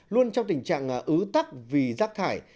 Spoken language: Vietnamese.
luôn trong tình trạng ứ tắc vì rác thải